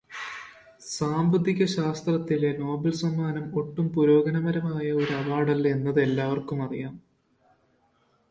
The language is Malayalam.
സാമ്പത്തികശാസ്ത്രത്തിലെ നൊബേൽ സമ്മാനം ഒട്ടും പുരോഗമനപരമായ ഒരു അവാർഡല്ല എന്നത് എല്ലാവർക്കുമറിയാം.